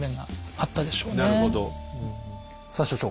さあ所長